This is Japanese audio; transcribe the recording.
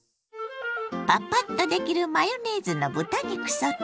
パパッとできるマヨネーズの豚肉ソテー。